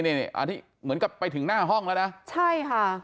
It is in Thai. อันนี้เหมือนกับไปถึงหน้าห้องแล้วนะใช่ค่ะ